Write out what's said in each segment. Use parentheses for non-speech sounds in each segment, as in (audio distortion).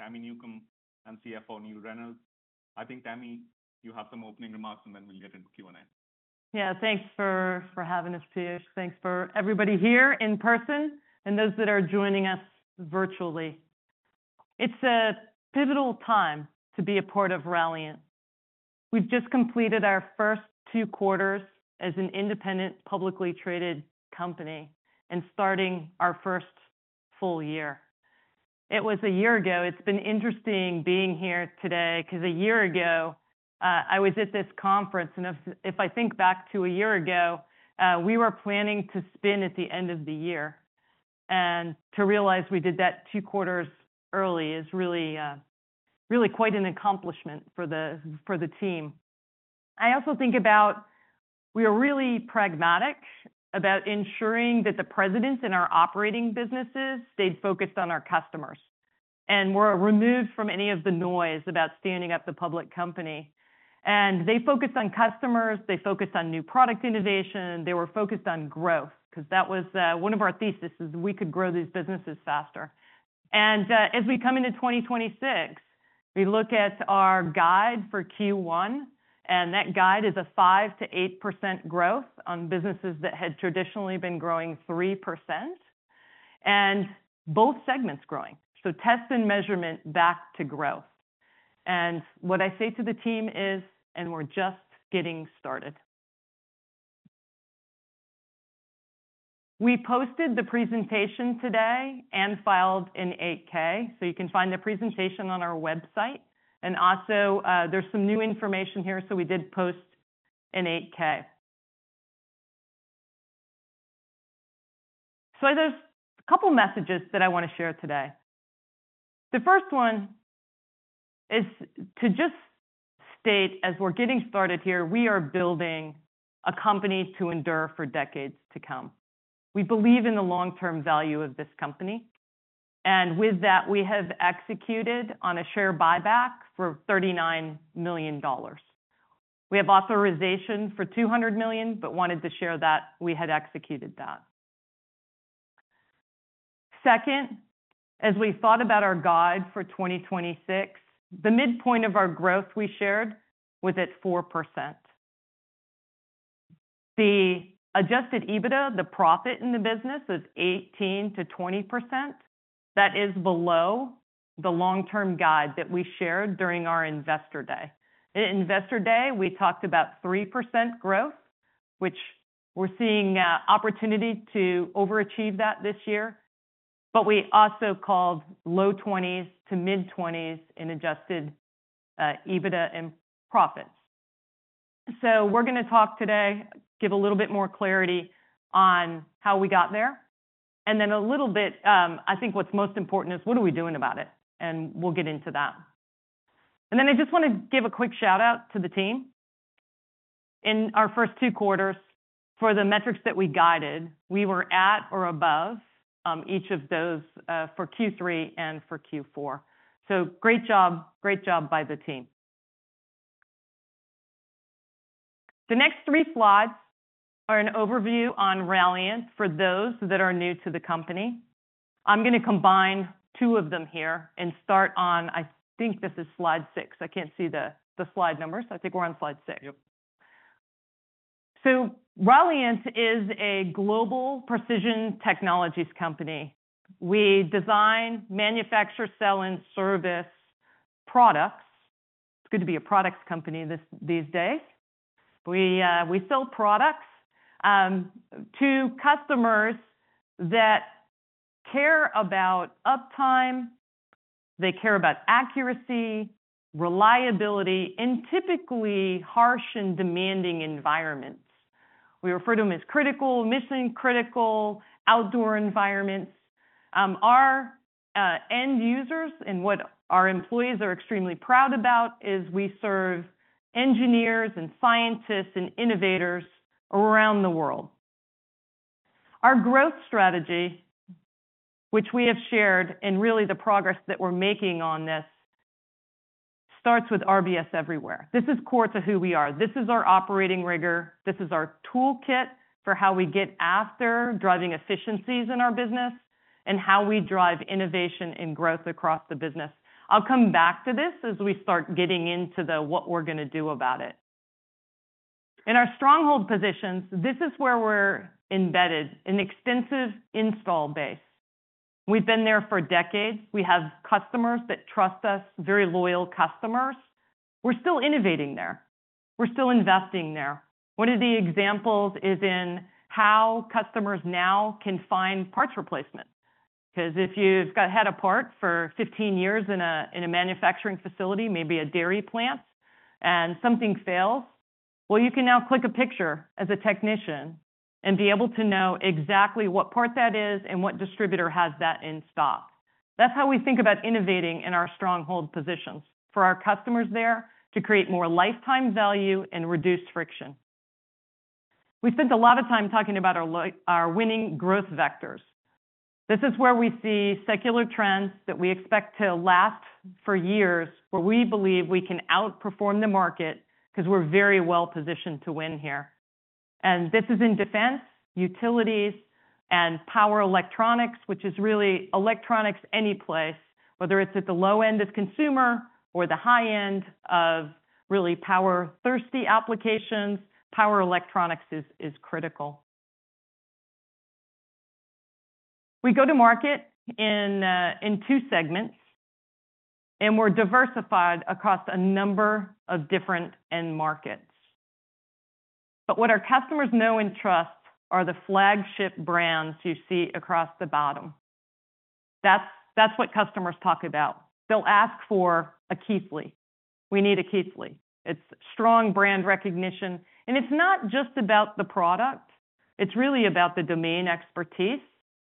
Tami Newcombe and CFO Neill Reynolds. I think, Tami, you have some opening remarks, and then we'll get into Q&A. Yeah, thanks for having us, Piyush. Thanks for everybody here in person and those that are joining us virtually. It's a pivotal time to be a part of Ralliant. We've just completed our first two quarters as an independent, publicly traded company and starting our first full year. It was a year ago, it's been interesting being here today, 'cause a year ago, I was at this conference, and if I think back to a year ago, we were planning to spin at the end of the year. And to realize we did that two quarters early is really, really quite an accomplishment for the team. I also think about we are really pragmatic about ensuring that the presidents in our operating businesses stayed focused on our customers, and were removed from any of the noise about standing up the public company. And they focused on customers, they focused on new product innovation, they were focused on growth, 'cause that was one of our thesis is we could grow these businesses faster. And as we come into 2026, we look at our guide for Q1, and that guide is a 5%-8% growth on businesses that had traditionally been growing 3%, and both segments growing. So Test and Measurement back to growth. And what I say to the team is, "And we're just getting started." We posted the presentation today and filed an 8-K, so you can find the presentation on our website. And also, there's some new information here, so we did post an 8-K. So there's a couple messages that I wanna share today. The first one is to just state, as we're getting started here, we are building a company to endure for decades to come. We believe in the long-term value of this company, and with that, we have executed on a share buyback for $39 million. We have authorization for $200 million, but wanted to share that we had executed that. Second, as we thought about our guide for 2026, the midpoint of our growth we shared was at 4%. The adjusted EBITDA, the profit in the business, is 18%-20%. That is below the long-term guide that we shared during our Investor Day. In Investor Day, we talked about 3% growth, which we're seeing, opportunity to overachieve that this year, but we also called low-20s to mid-20s in adjusted EBITDA and profits. So we're gonna talk today, give a little bit more clarity on how we got there, and then a little bit. I think what's most important is, what are we doing about it? And we'll get into that. And then I just wanna give a quick shout-out to the team. In our first two quarters, for the metrics that we guided, we were at or above each of those for Q3 and for Q4. So great job. Great job by the team. The next three slides are an overview on Ralliant for those that are new to the company. I'm gonna combine two of them here and start on, I think this is slide 6. I can't see the slide numbers. I think we're on slide 6. Yep. So Ralliant is a global precision technologies company. We design, manufacture, sell, and service products. It's good to be a products company these days. We sell products to customers that care about uptime, they care about accuracy, reliability, in typically harsh and demanding environments. We refer to them as critical, mission critical, outdoor environments. Our end users, and what our employees are extremely proud about, is we serve engineers and scientists and innovators around the world. Our growth strategy, which we have shared, and really the progress that we're making on this, starts with RBS Everywhere. This is core to who we are. This is our operating rigor, this is our toolkit for how we get after driving efficiencies in our business, and how we drive innovation and growth across the business. I'll come back to this as we start getting into the what we're gonna do about it. In our stronghold positions, this is where we're embedded, an extensive installed base. We've been there for decades. We have customers that trust us, very loyal customers. We're still innovating there. We're still investing there. One of the examples is in how customers now can find parts replacement, 'cause if you've had a part for 15 years in a manufacturing facility, maybe a dairy plant, and something fails, well, you can now click a picture as a technician and be able to know exactly what part that is and what distributor has that in stock. That's how we think about innovating in our stronghold positions, for our customers there to create more lifetime value and reduce friction. We spent a lot of time talking about our winning growth vectors. This is where we see secular trends that we expect to last for years, where we believe we can outperform the market, 'cause we're very well positioned to win here. And this is in defense, utilities, and power electronics, which is really electronics anyplace, whether it's at the low end of consumer or the high end of really power-thirsty applications, power electronics is critical. We go to market in two segments, and we're diversified across a number of different end markets. But what our customers know and trust are the flagship brands you see across the bottom. That's what customers talk about. They'll ask for a Keithley We need a Keithley." It's strong brand recognition, and it's not just about the product, it's really about the domain expertise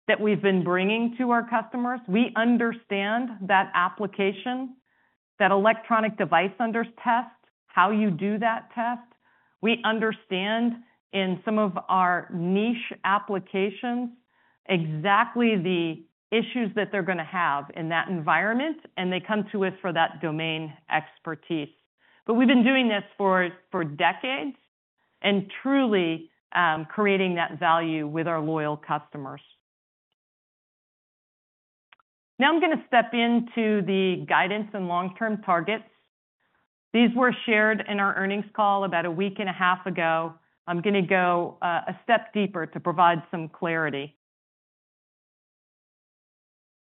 that we've been bringing to our customers. We understand that application, that electronic device under test, how you do that test. We understand in some of our niche applications, exactly the issues that they're going to have in that environment, and they come to us for that domain expertise. But we've been doing this for decades, and truly creating that value with our loyal customers. Now I'm going to step into the guidance and long-term targets. These were shared in our earnings call about a week and a half ago. I'm going to go a step deeper to provide some clarity.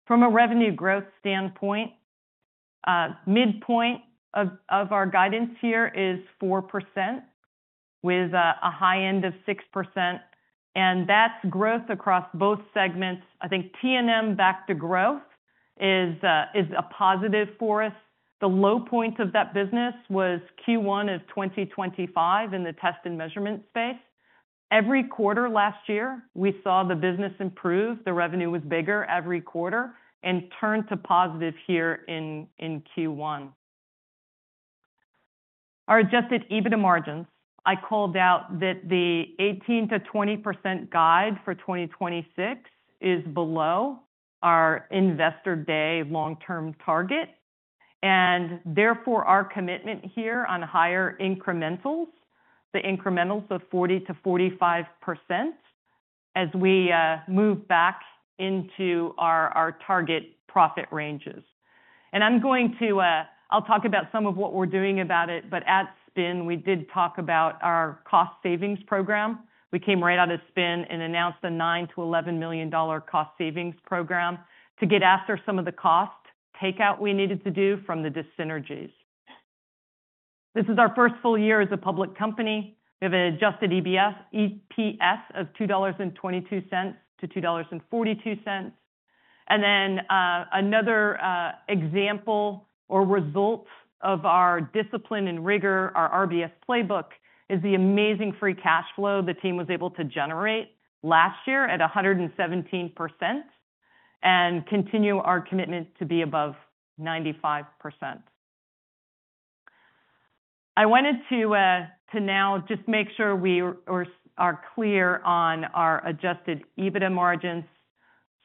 From a revenue growth standpoint, midpoint of our guidance here is 4%, with a high end of 6%, and that's growth across both segments. I think T&M back to growth is a positive for us. The low point of that business was Q1 of 2025 in the Test and Measurement space. Every quarter last year, we saw the business improve, the revenue was bigger every quarter, and turned to positive here in Q1. Our adjusted EBITDA margins, I called out that the 18%-20% guide for 2026 is below our Investor Day long-term target, and therefore, our commitment here on higher incrementals, the incrementals of 40%-45%, as we move back into our target profit ranges. And I'm going to, I'll talk about some of what we're doing about it, but at spin, we did talk about our Cost Savings Program. We came right out of spin and announced a $9 million-$11 million Cost Savings Program to get after some of the cost takeout we needed to do from the dyssynergies. This is our first full year as a public company. We have an adjusted EPS of $2.22-$2.42. And then, another example or result of our discipline and rigor, our RBS playbook, is the amazing free cash flow the team was able to generate last year at 117%, and continue our commitment to be above 95%. I wanted to now just make sure we are clear on our adjusted EBITDA margins.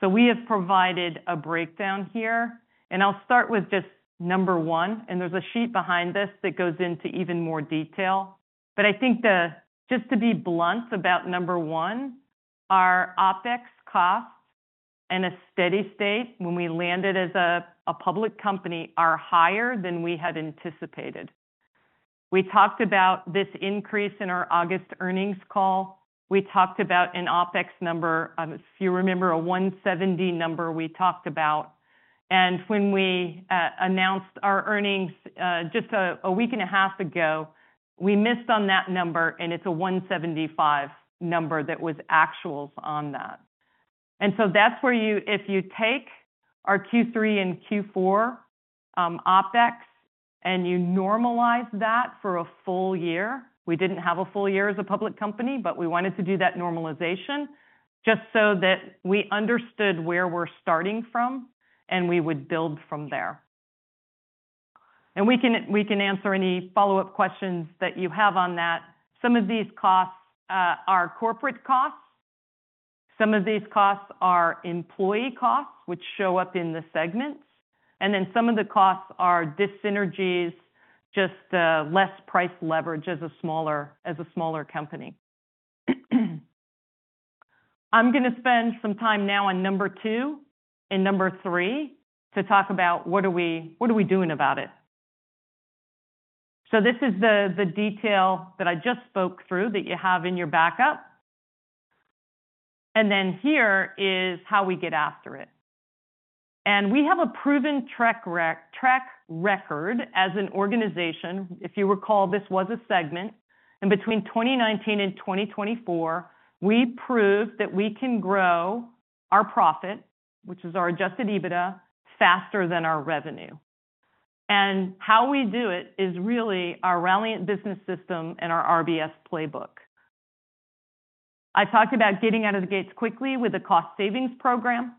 We have provided a breakdown here, and I'll start with just number 1, and there's a sheet behind this that goes into even more detail. But I think just to be blunt about number 1, our OpEx costs in a steady state, when we landed as a public company, are higher than we had anticipated. We talked about this increase in our August earnings call. We talked about an OpEx number, if you remember, a 170 number we talked about, and when we announced our earnings just a week and a half ago, we missed on that number, and it's a 175 number that was actuals on that. That's where if you take our Q3 and Q4 OpEx, and you normalize that for a full year, we didn't have a full year as a public company, but we wanted to do that normalization just so that we understood where we're starting from, and we would build from there. We can, we can answer any follow-up questions that you have on that. Some of these costs are corporate costs, some of these costs are employee costs, which show up in the segments, and then some of the costs are dyssynergies, just less price leverage as a smaller company. I'm going to spend some time now on number two and number three to talk about what are we doing about it. So this is the detail that I just spoke through that you have in your backup. And then here is how we get after it. And we have a proven track record as an organization. If you recall, this was a segment, and between 2019 and 2024, we proved that we can grow our profit, which is our adjusted EBITDA, faster than our revenue. And how we do it is really our Ralliant Business System and our RBS playbook. I talked about getting out of the gates quickly with a cost savings program.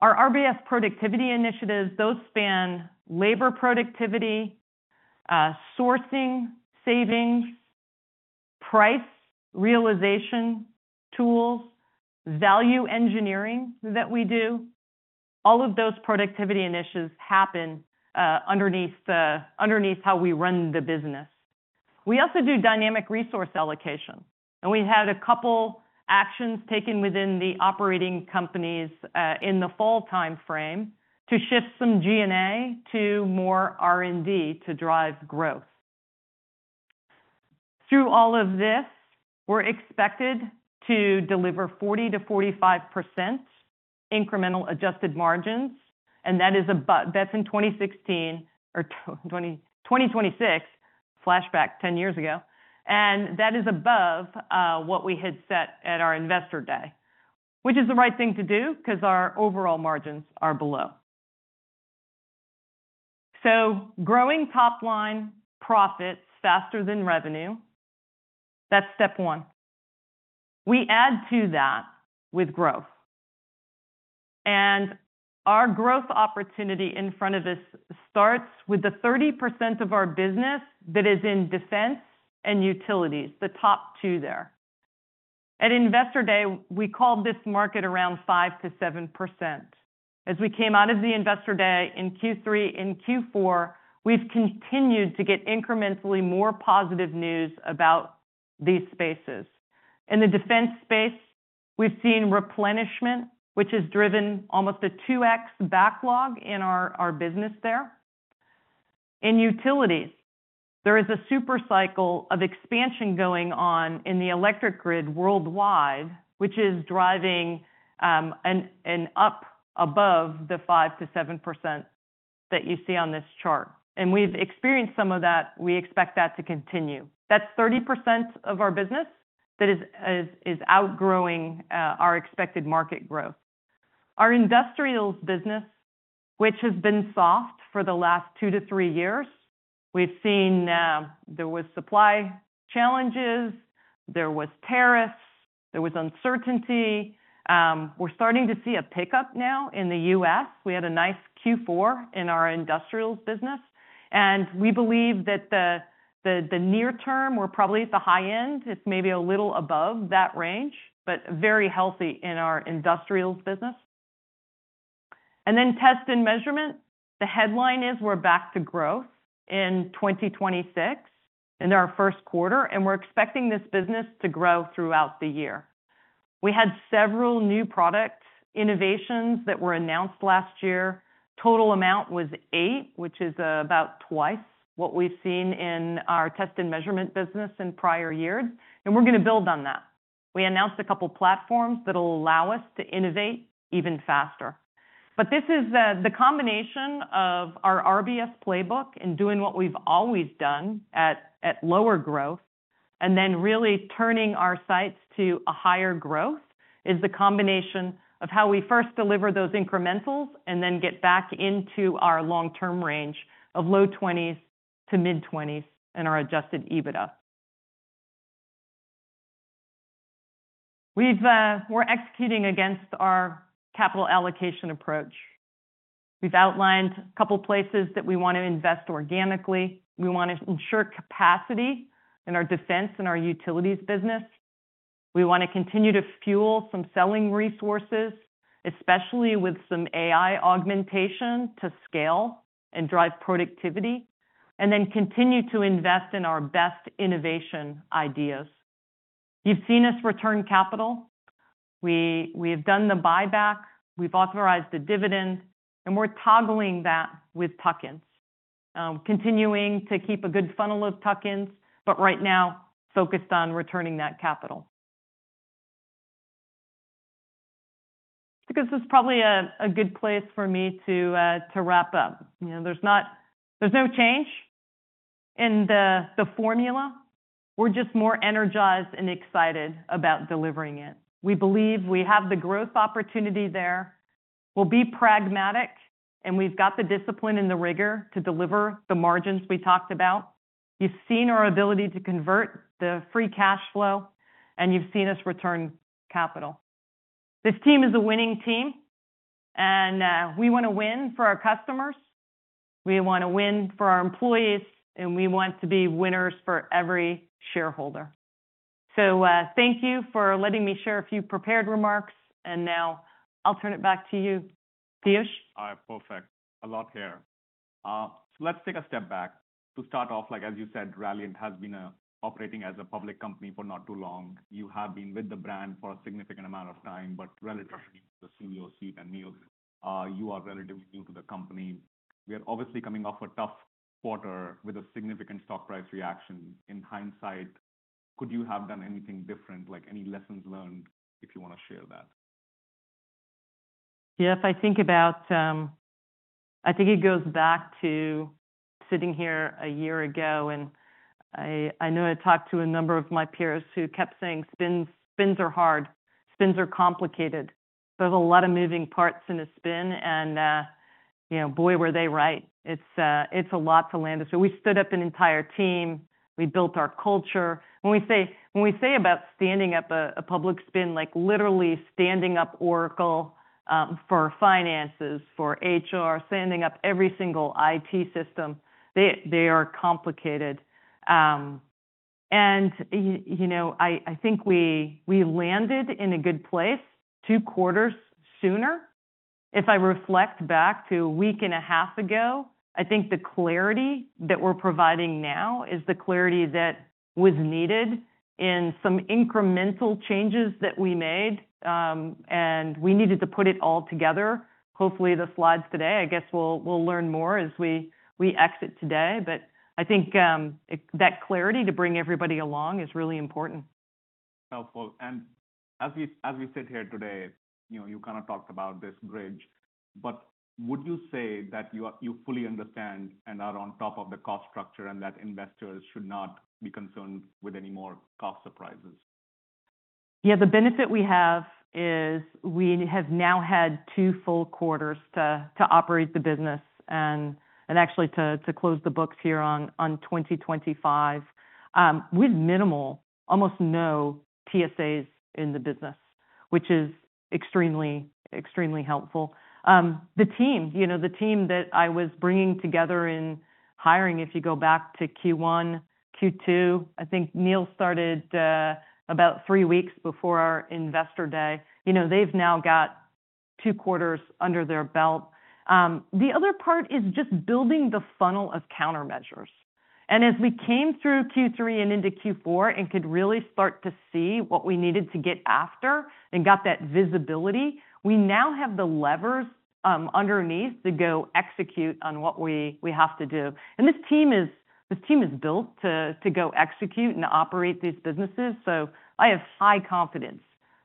Our RBS productivity initiatives, those span labor productivity, sourcing, savings, price realization, tools, value engineering that we do. All of those productivity initiatives happen underneath how we run the business. We also do dynamic resource allocation, and we had a couple actions taken within the operating companies in the fall timeframe to shift some G&A to more R&D to drive growth. Through all of this, we're expected to deliver 40%-45% incremental adjusted margins, and that is above-- that's in 2016 or 2026, flashback 10 years ago. And that is above what we had set at our Investor Day, which is the right thing to do because our overall margins are below. So growing top-line profits faster than revenue, that's step 1. We add to that with growth. And our growth opportunity in front of us starts with the 30% of our business that is in defense and utilities, the top two there. At Investor Day, we called this market around 5%-7%. As we came out of the Investor Day in Q3 and Q4, we've continued to get incrementally more positive news about these spaces. In the defense space, we've seen replenishment, which has driven almost a 2x backlog in our business there. In utilities, there is a super cycle of expansion going on in the electric grid worldwide, which is driving an up above the 5%-7% that you see on this chart. And we've experienced some of that. We expect that to continue. That's 30% of our business that is outgrowing our expected market growth. Our industrials business, which has been soft for the last 2-3 years, we've seen there was supply challenges, there was tariffs, there was uncertainty. We're starting to see a pickup now in the U.S. We had a nice Q4 in our industrials business, and we believe that the near term, we're probably at the high end. It's maybe a little above that range, but very healthy in our industrials business. And then Test and Measurement. The headline is we're back to growth in 2026, in our first quarter, and we're expecting this business to grow throughout the year. We had several new product innovations that were announced last year. Total amount was 8, which is about twice what we've seen in our Test and Measurement business in prior years, and we're going to build on that. We announced a couple platforms that will allow us to innovate even faster. But this is the combination of our RBS playbook and doing what we've always done at lower growth, and then really turning our sights to a higher growth, is the combination of how we first deliver those incrementals and then get back into our long-term range of low-20s to mid-20s in our adjusted EBITDA. We've, we're executing against our capital allocation approach. We've outlined a couple places that we want to invest organically. We want to ensure capacity in our defense and our utilities business. We want to continue to fuel some selling resources, especially with some AI augmentation to scale and drive productivity, and then continue to invest in our best innovation ideas. You've seen us return capital. We, we have done the buyback, we've authorized the dividend, and we're toggling that with tuck-ins. Continuing to keep a good funnel of tuck-ins, but right now focused on returning that capital. I think this is probably a good place for me to wrap up. You know, there's no change in the formula. We're just more energized and excited about delivering it. We believe we have the growth opportunity there. We'll be pragmatic, and we've got the discipline and the rigor to deliver the margins we talked about. You've seen our ability to convert the free cash flow, and you've seen us return capital. This team is a winning team, and we want to win for our customers, we want to win for our employees, and we want to be winners for every shareholder. So, thank you for letting me share a few prepared remarks, and now I'll turn it back to you, Piyush. All right. Perfect. A lot here. Let's take a step back to start off. Like, as you said, Ralliant has been operating as a public company for not too long. You have been with the brand for a significant amount of time, but relatively, the CEO seat and Neill, you are relatively new to the company. We are obviously coming off a tough quarter with a significant stock price reaction. In hindsight, could you have done anything different? Like, any lessons learned, if you want to share that. Yes, I think about, I think it goes back to sitting here a year ago, and I, I know I talked to a number of my peers who kept saying spins, spins are hard, spins are complicated. There's a lot of moving parts in a spin and, you know, boy, were they right. It's, it's a lot to land. So we stood up an entire team. We built our culture. When we say, when we say about standing up a, a public spin, like literally standing up Oracle, for finances, for HR, standing up every single IT system, they, they are complicated. And, you know, I, I think we, we landed in a good place two quarters sooner. If I reflect back to a week and a half ago, I think the clarity that we're providing now is the clarity that was needed in some incremental changes that we made, and we needed to put it all together. Hopefully, the slides today, I guess, we'll learn more as we exit today. But I think that clarity to bring everybody along is really important. Helpful. And as we sit here today, you know, you kind of talked about this bridge, but would you say that you fully understand and are on top of the cost structure, and that investors should not be concerned with any more cost surprises? Yeah, the benefit we have is we have now had two full quarters to operate the business, and actually to close the books here on 2025. With minimal, almost no TSAs in the business, which is extremely helpful. The team, you know, the team that I was bringing together in hiring, if you go back to Q1, Q2, I think Neill started about three weeks before our Investor Day. You know, they've now got two quarters under their belt. The other part is just building the funnel of countermeasures. And as we came through Q3 and into Q4, and could really start to see what we needed to get after and got that visibility, we now have the levers underneath to go execute on what we have to do. This team is built to go execute and operate these businesses. So I have high confidence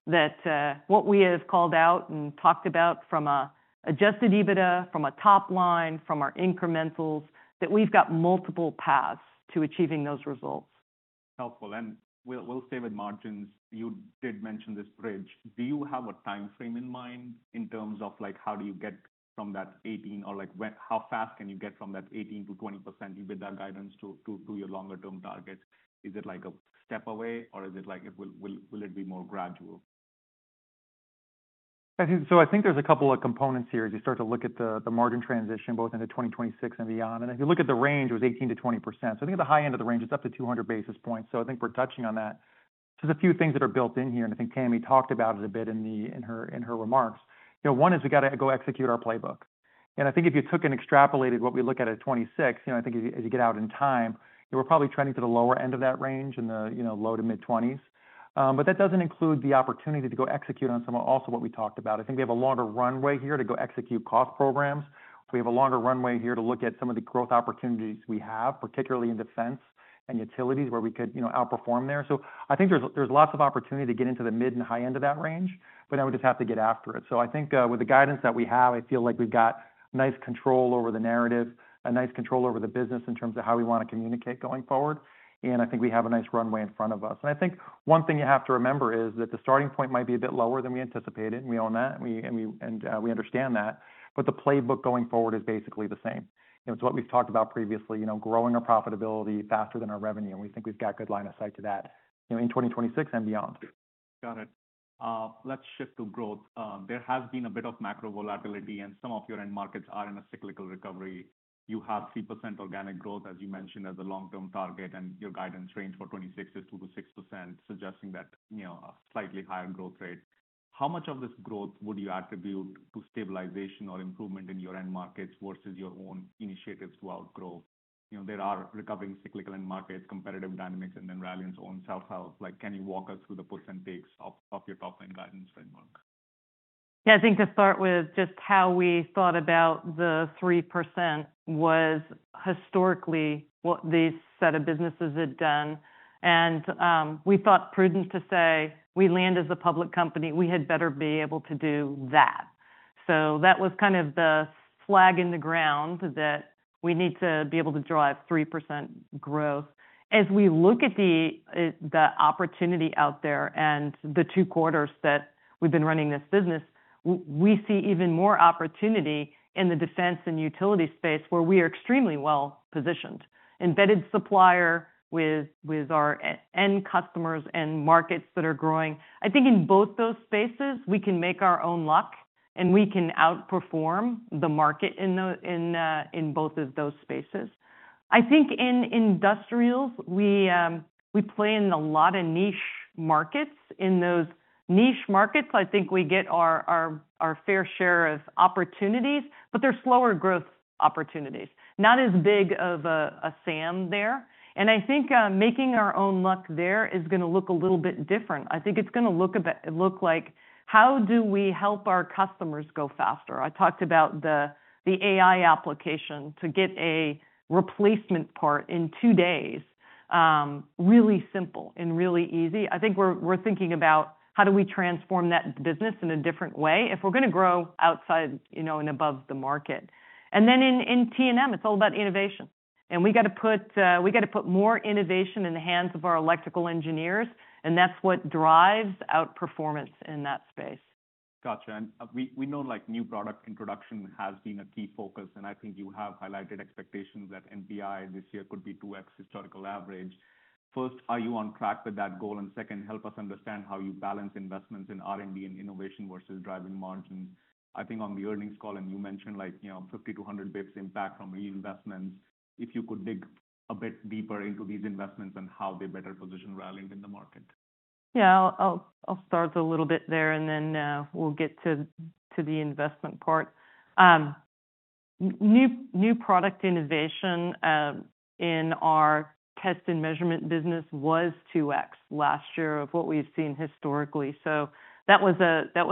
that what we have called out and talked about from a adjusted EBITDA, from a top line, from our incrementals, that we've got multiple paths to achieving those results. Helpful. We'll stay with margins. You did mention this bridge. Do you have a timeframe in mind in terms of, like, how fast can you get from that 18%-20% EBITDA guidance to your longer term targets? Is it like a step away, or is it like it will be more gradual? I think. So I think there's a couple of components here as you start to look at the margin transition, both into 2026 and beyond. And if you look at the range, it was 18%-20%. So I think at the high end of the range, it's up to 200 basis points. So I think we're touching on that. There's a few things that are built in here, and I think Tami talked about it a bit in her remarks. You know, one is we got to go execute our playbook. And I think if you took and extrapolated what we look at in 2026, you know, I think as you get out in time, we're probably trending to the lower end of that range in the low- to mid-20s. But that doesn't include the opportunity to go execute on some of also what we talked about. I think we have a longer runway here to go execute cost programs. We have a longer runway here to look at some of the growth opportunities we have, particularly in defense and utilities, where we could, you know, outperform there. So I think there's lots of opportunity to get into the mid and high end of that range, but now we just have to get after it. So I think, with the guidance that we have, I feel like we've got nice control over the narrative, a nice control over the business in terms of how we want to communicate going forward, and I think we have a nice runway in front of us. I think one thing you have to remember is that the starting point might be a bit lower than we anticipated, and we own that, and we understand that, but the playbook going forward is basically the same. It's what we've talked about previously, you know, growing our profitability faster than our revenue, and we think we've got good line of sight to that, you know, in 2026 and beyond. Got it. Let's shift to growth. There has been a bit of macro volatility, and some of your end markets are in a cyclical recovery. You have 3% organic growth, as you mentioned, as a long-term target, and your guidance range for 2026 is 2%-6%, suggesting that, you know, a slightly higher growth rate. How much of this growth would you attribute to stabilization or improvement in your end markets versus your own initiatives to outgrow? You know, there are recovering cyclical end markets, competitive dynamics, and then Ralliant's own self-help. Like, can you walk us through the puts and takes of your top-line guidance framework? Yeah, I think to start with, just how we thought about the 3% was historically what these set of businesses had done. And we thought prudent to say, we land as a public company, we had better be able to do that. So that was kind of the flag in the ground that we need to be able to drive 3% growth. As we look at the opportunity out there and the two quarters that we've been running this business, we see even more opportunity in the defense and utility space, where we are extremely well positioned. Embedded supplier with our end customers and markets that are growing. I think in both those spaces, we can make our own luck, and we can outperform the market in both of those spaces. I think in industrials, we play in a lot of niche markets. In those niche markets, I think we get our fair share of opportunities, but they're slower growth opportunities. Not as big of a SAM there. And I think making our own luck there is gonna look a little bit different. I think it's gonna look like: How do we help our customers go faster? I talked about the AI application to get a replacement part in two days, really simple and really easy. I think we're thinking about how do we transform that business in a different way if we're gonna grow outside, you know, and above the market. And then in T&M, it's all about innovation. We got to put more innovation in the hands of our electrical engineers, and that's what drives outperformance in that space. Gotcha. And we know, like, new product introduction has been a key focus, and I think you have highlighted expectations that NPI this year could be 2x historical average. First, are you on track with that goal? And second, help us understand how you balance investments in R&D and innovation versus driving margins. I think on the earnings call, you mentioned, like, you know, 50-100 basis points impact from the investments. If you could dig a bit deeper into these investments and how they better position Ralliant in the market. Yeah, I'll start a little bit there, and then we'll get to the investment part. New product innovation in our Test and Measurement business was 2x last year of what we've seen historically. So that was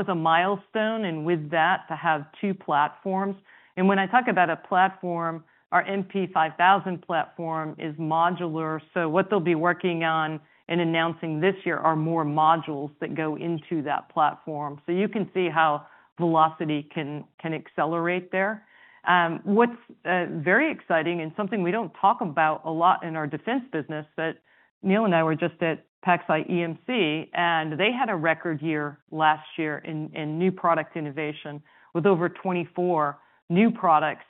a milestone, and with that, to have two platforms. And when I talk about a platform, our MP5000 platform is modular. So what they'll be working on and announcing this year are more modules that go into that platform. So you can see how velocity can accelerate there. What's very exciting and something we don't talk about a lot in our defense business, but Neill and I were just at PacSci EMC, and they had a record year last year in new product innovation with over 24 new products,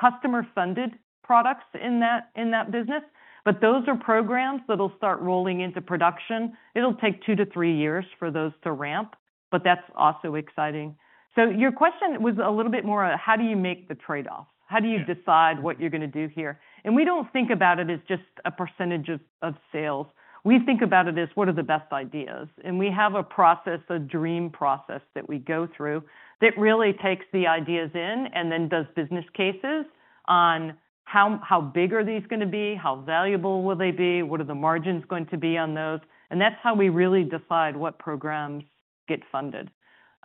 customer-funded products in that business. But those are programs that'll start rolling into production. It'll take 2-3 years for those to ramp, but that's also exciting. So your question was a little bit more, how do you make the trade-offs? How do you decide what you're going to do here? And we don't think about it as just a percentage of, of sales. We think about it as, what are the best ideas? And we have a process, a dream process that we go through, that really takes the ideas in and then does business cases on how, how big are these going to be? How valuable will they be? What are the margins going to be on those? And that's how we really decide what programs get funded.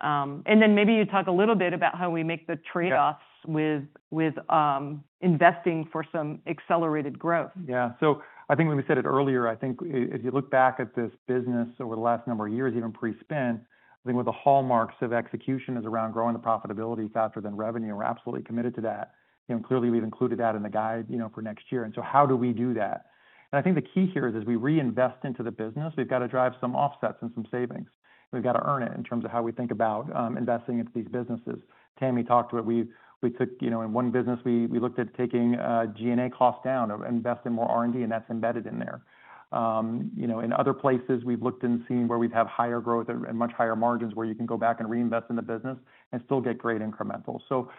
And then maybe you talk a little bit about how we make the trade-offs with investing for some accelerated growth. Yeah. So I think when we said it earlier, I think if you look back at this business over the last number of years, even pre-spin, I think one of the hallmarks of execution is around growing the profitability faster than revenue. We're absolutely committed to that. And clearly, we've included that in the guide, you know, for next year. And so how do we do that? And I think the key here is, as we reinvest into the business, we've got to drive some offsets and some savings. We've got to earn it in terms of how we think about investing into these businesses. Tami talked about. You know, in one business, we looked at taking G&A costs down, invest in more R&D, and that's embedded in there. You know, in other places, we've looked and seen where we'd have higher growth and much higher margins, where you can go back and reinvest in the business and still get great incremental. So,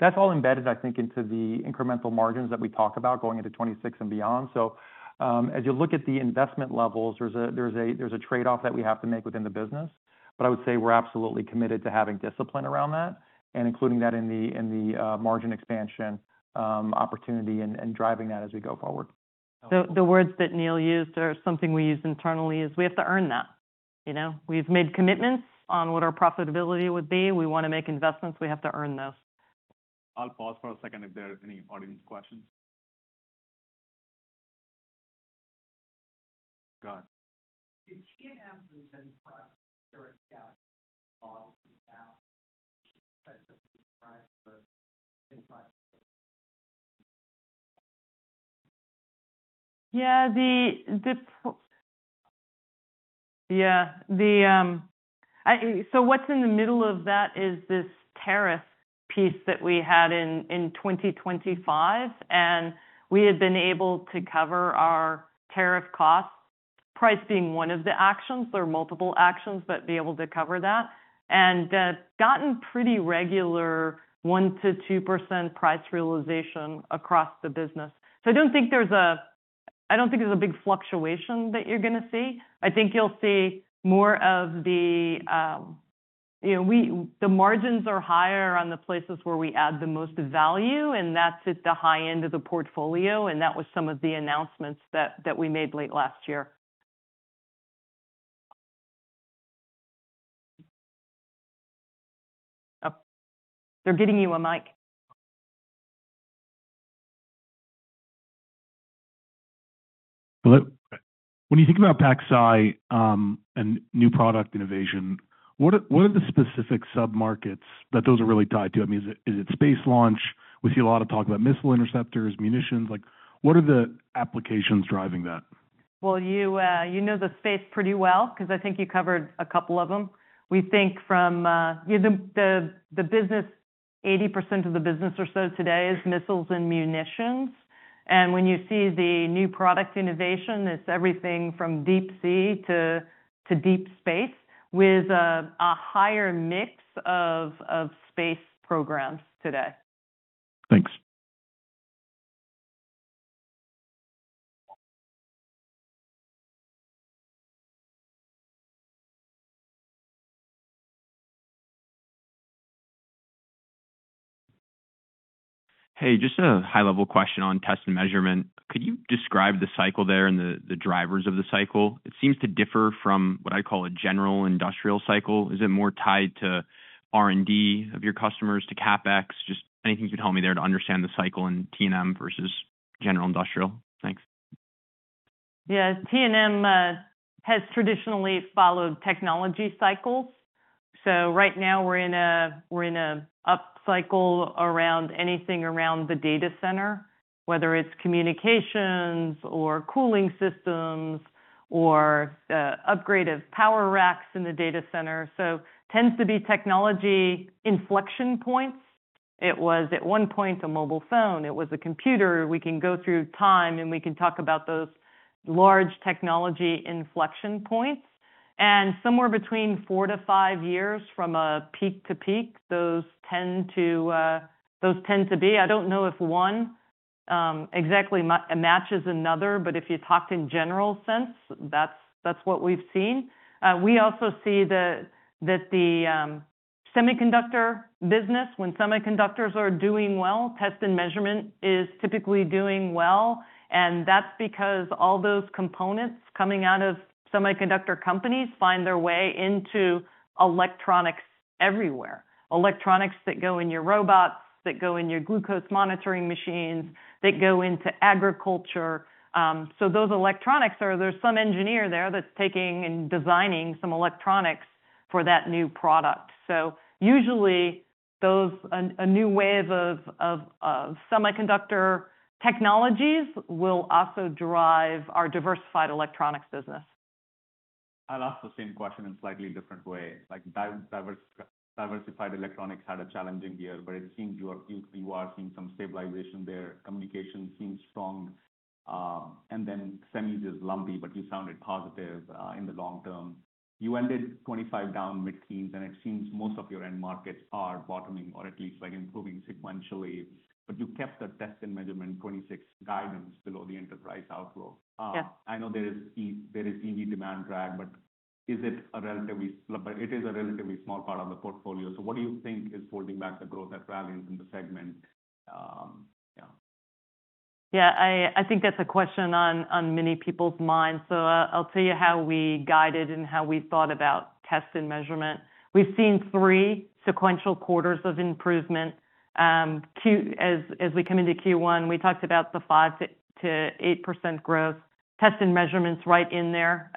that's all embedded, I think, into the incremental margins that we talk about going into 2026 and beyond. So, as you look at the investment levels, there's a trade-off that we have to make within the business. But I would say we're absolutely committed to having discipline around that and including that in the margin expansion opportunity and driving that as we go forward. So the words that Neill used, or something we use internally, is we have to earn that. You know, we've made commitments on what our profitability would be. We want to make investments. We have to earn those. I'll pause for a second if there are any audience questions. Go on. (audio distortion) Yeah, so what's in the middle of that is this tariff piece that we had in 2025, and we had been able to cover our tariff costs, price being one of the actions. There are multiple actions, but be able to cover that. And gotten pretty regular 1%-2% price realization across the business. So I don't think there's a big fluctuation that you're going to see. I think you'll see more of the, you know, the margins are higher on the places where we add the most value, and that's at the high end of the portfolio, and that was some of the announcements that we made late last year. Oh, they're getting you a mic. Hello? When you think about PacSci, and new product innovation, what are, what are the specific submarkets that those are really tied to? I mean, is it, is it space launch? We see a lot of talk about missile interceptors, munitions. Like, what are the applications driving that? Well, you know the space pretty well because I think you covered a couple of them. We think from the business, 80% of the business or so today is missiles and munitions. And when you see the new product innovation, it's everything from deep sea to deep space, with a higher mix of space programs today. Thanks. Hey, just a high-level question on Test and Measurement. Could you describe the cycle there and the drivers of the cycle? It seems to differ from what I call a general industrial cycle. Is it more tied to R&D of your customers, to CapEx? Just anything can help me there to understand the cycle in T&M versus general industrial. Thanks. Yeah. T&M has traditionally followed technology cycles. So right now we're in an upcycle around anything around the data center, whether it's communications or cooling systems or upgraded power racks in the data center. So tends to be technology inflection points. It was, at one point, a mobile phone. It was a computer. We can go through time, and we can talk about those large technology inflection points. And somewhere between 4-5 years from a peak to peak, those tend to be, I don't know if one exactly matches another, but if you talked in general sense, that's what we've seen. We also see that the semiconductor business, when semiconductors are doing well, Test and Measurement is typically doing well. That's because all those components coming out of semiconductor companies find their way into electronics everywhere. Electronics that go in your robots, that go in your glucose monitoring machines, that go into agriculture. So those electronics are, there's some engineer there that's taking and designing some electronics for that new product. So usually, a new wave of semiconductor technologies will also drive our diversified electronics business. I'll ask the same question in a slightly different way. Like, diversified electronics had a challenging year, but it seems you are seeing some stabilization there. Communications seems strong. And then semis is lumpy, but you sounded positive in the long term. You ended 2025 down mid-teens, and it seems most of your end markets are bottoming or at least, like, improving sequentially. But you kept the Test and Measurement 2026 guidance below the enterprise outflow. Yes. I know there is key demand drag, but it is a relatively small part of the portfolio. So what do you think is holding back the growth at Ralliant in the segment? Yeah, I think that's a question on many people's minds. So, I'll tell you how we guided and how we thought about Test and Measurement. We've seen three sequential quarters of improvement. As we come into Q1, we talked about the 5%-8% growth. Test and Measurement's right in there,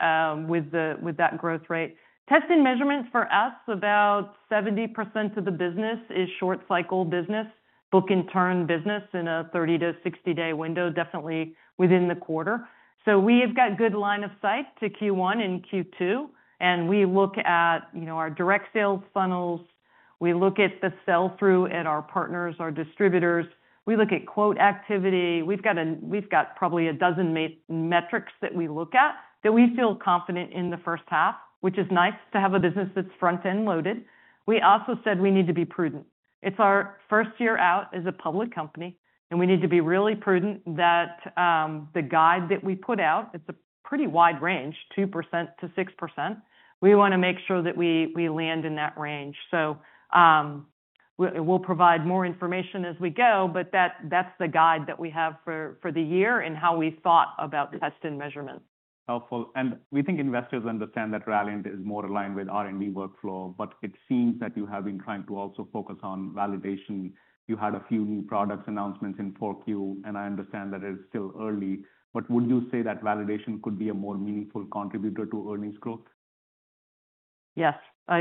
with that growth rate. Test and Measurement, for us, about 70% of the business is short cycle business, book-and-turn business in a 30-60-day window, definitely within the quarter. So we've got good line of sight to Q1 and Q2, and we look at, you know, our direct sales funnels, we look at the sell-through at our partners, our distributors. We look at quote activity. We've got probably a dozen metrics that we look at, that we feel confident in the first half, which is nice to have a business that's front-end loaded. We also said we need to be prudent. It's our first year out as a public company, and we need to be really prudent that the guide that we put out, it's a pretty wide range, 2%-6%. We want to make sure that we land in that range. So, we'll provide more information as we go, but that's the guide that we have for the year and how we thought about Test and Measurement. Helpful. We think investors understand that Ralliant is more aligned with R&D workflow, but it seems that you have been trying to also focus on validation. You had a few new products announcements in 4Q, and I understand that it's still early, but would you say that validation could be a more meaningful contributor to earnings growth? Yes.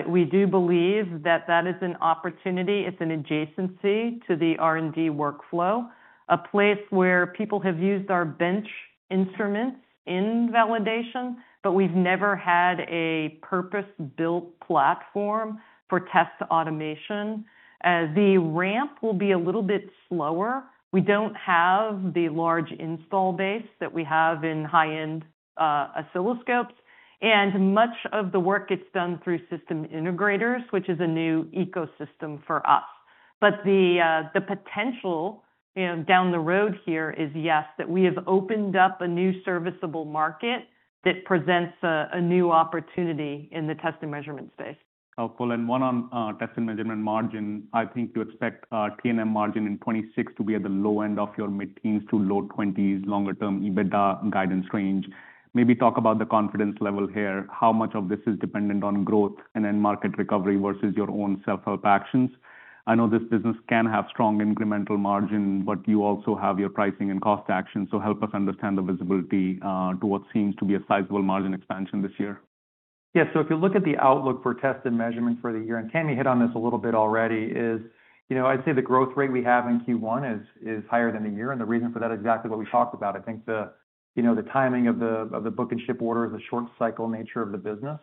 We do believe that that is an opportunity. It's an adjacency to the R&D workflow, a place where people have used our bench instruments in validation, but we've never had a purpose-built platform for test automation. The ramp will be a little bit slower. We don't have the large install base that we have in high-end oscilloscopes, and much of the work gets done through system integrators, which is a new ecosystem for us. But the potential, you know, down the road here is, yes, that we have opened up a new serviceable market that presents a new opportunity in the Test and Measurement space. Helpful. And one on Test and Measurement margin. I think you expect T&M margin in 2026 to be at the low end of your mid-teens to low-20s, longer-term EBITDA guidance range. Maybe talk about the confidence level here, how much of this is dependent on growth and end market recovery versus your own self-help actions. I know this business can have strong incremental margin, but you also have your pricing and cost actions. So help us understand the visibility to what seems to be a sizable margin expansion this year. Yeah. So if you look at the outlook for Test and Measurement for the year, and Tami hit on this a little bit already, you know, I'd say the growth rate we have in Q1 is higher than a year, and the reason for that is exactly what we talked about. I think you know the timing of the book and ship order is a short cycle nature of the business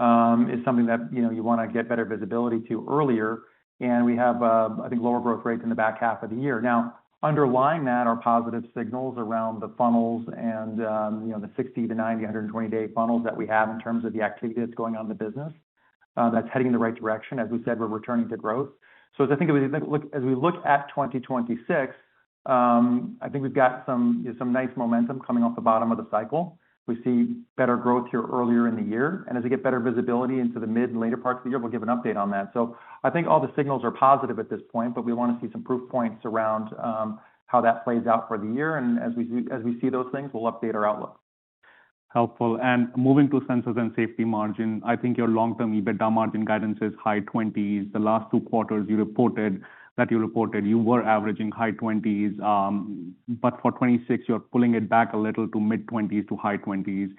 is something that, you know, you want to get better visibility to earlier. And we have I think lower growth rates in the back half of the year. Now, underlying that are positive signals around the funnels and, you know, the 60-90, 120-day funnels that we have in terms of the activity that's going on in the business. That's heading in the right direction. As we said, we're returning to growth. So as I think of it, as we look at 2026, I think we've got some nice momentum coming off the bottom of the cycle. We see better growth here earlier in the year, and as we get better visibility into the mid and later parts of the year, we'll give an update on that. So I think all the signals are positive at this point, but we want to see some proof points around how that plays out for the year. And as we see those things, we'll update our outlook. Helpful. Moving to Sensors and Safety margin, I think your long-term EBITDA margin guidance is high 20s. The last two quarters you reported, that you reported, you were averaging high 20s, but for 2026, you're pulling it back a little to mid-20s to high-20s.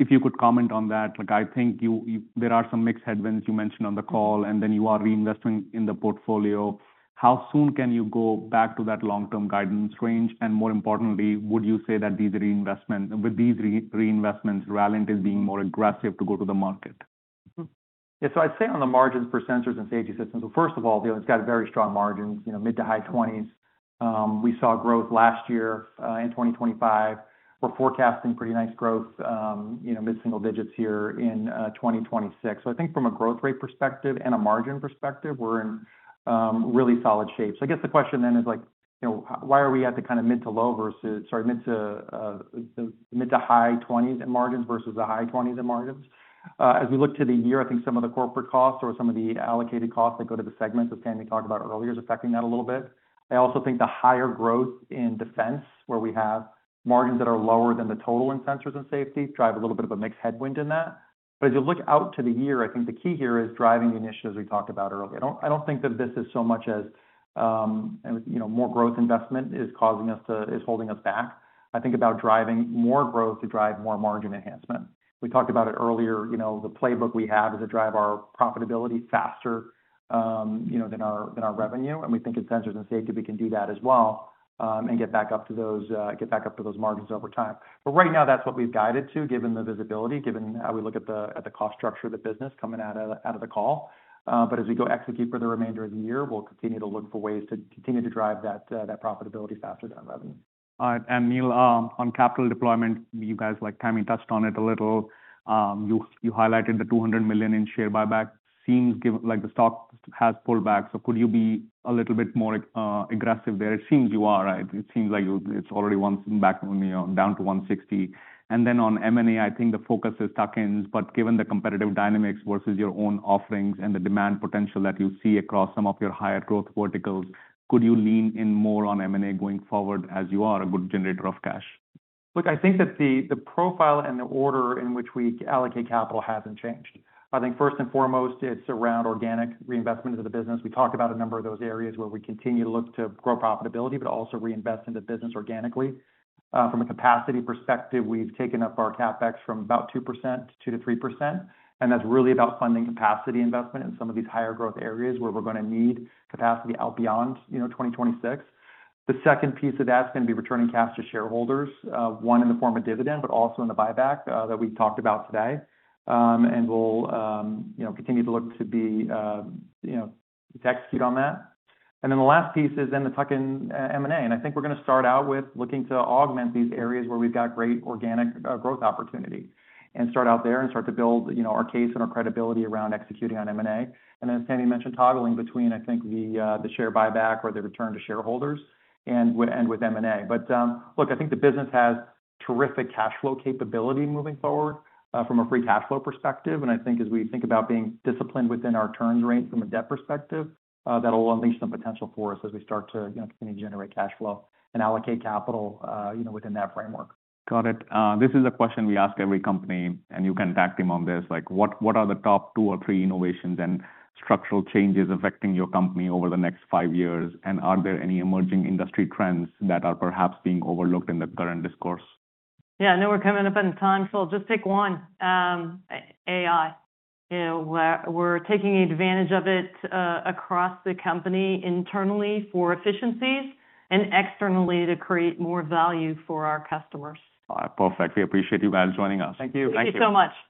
If you could comment on that, like, I think you, you—there are some mixed headwinds you mentioned on the call, and then you are reinvesting in the portfolio. How soon can you go back to that long-term guidance range? And more importantly, would you say that these reinvestments, with these reinvestments, Ralliant is being more aggressive to go to the market? Yeah. So I'd say on the margins for Sensors and Safety Systems, so first of all, it's got a very strong margin, you know, mid- to high 20s. We saw growth last year in 2025. We're forecasting pretty nice growth, you know, mid-single digits here in 2026. So I think from a growth rate perspective and a margin perspective, we're really solid shape. So I guess the question then is like, you know, why are we at the kind of mid- to high-20s in margins versus the high-20s in margins? As we look to the year, I think some of the corporate costs or some of the allocated costs that go to the segments, as Tami talked about earlier, is affecting that a little bit. I also think the higher growth in defense, where we have margins that are lower than the total in Sensors and Safety, drive a little bit of a mixed headwind in that. But as you look out to the year, I think the key here is driving the initiatives we talked about earlier. I don't, I don't think that this is so much as, you know, more growth investment is causing us to, is holding us back. I think about driving more growth to drive more margin enhancement. We talked about it earlier, you know, the playbook we have is to drive our profitability faster, you know, than our, than our revenue. And we think in Sensors and Safety, we can do that as well, and get back up to those, get back up to those margins over time. But right now, that's what we've guided to, given the visibility, given how we look at the cost structure of the business coming out of the call. As we go execute for the remainder of the year, we'll continue to look for ways to continue to drive that profitability faster than revenue. All right. Neil, on capital deployment, you guys, like Tami, touched on it a little. You highlighted the $200 million in share buyback. Seems like the stock has pulled back, so could you be a little bit more aggressive there? It seems you are, right? It seems like it's already once back, you know, down to $160 million. Then on M&A, I think the focus is tuck-ins, but given the competitive dynamics versus your own offerings and the demand potential that you see across some of your higher growth verticals, could you lean in more on M&A going forward as you are a good generator of cash? Look, I think that the, the profile and the order in which we allocate capital hasn't changed. I think first and foremost, it's around organic reinvestment into the business. We talked about a number of those areas where we continue to look to grow profitability, but also reinvest in the business organically. From a capacity perspective, we've taken up our CapEx from about 2% to 2%-3%, and that's really about funding capacity investment in some of these higher growth areas where we're gonna need capacity out beyond, you know, 2026. The second piece of that is going to be returning cash to shareholders, one, in the form of dividend, but also in the buyback, that we talked about today. And we'll, you know, continue to look to be, you know, to execute on that. And then the last piece is then the tuck-in M&A. And I think we're gonna start out with looking to augment these areas where we've got great organic, growth opportunity, and start out there and start to build, you know, our case and our credibility around executing on M&A. And as Tami mentioned, toggling between, I think, the, the share buyback or the return to shareholders and with, and with M&A. But, look, I think the business has terrific cash flow capability moving forward, from a free cash flow perspective. And I think as we think about being disciplined within our turns rate from a debt perspective, that'll unleash some potential for us as we start to, you know, continue to generate cash flow and allocate capital, you know, within that framework. Got it. This is a question we ask every company, and you can tag team on this. Like, what are the top two or three innovations and structural changes affecting your company over the next five years? And are there any emerging industry trends that are perhaps being overlooked in the current discourse? Yeah, I know we're coming up on time, so I'll just take one. AI. You know, we're taking advantage of it across the company internally for efficiencies and externally to create more value for our customers. All right. Perfect. We appreciate you guys joining us. Thank you. Thank you so much.